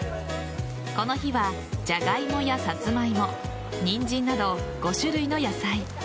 この日は、ジャガイモやサツマイモ、ニンジンなど５種類の野菜。